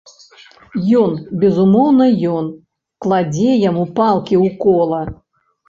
Ён, безумоўна ён, кладзе яму палкі ў кола!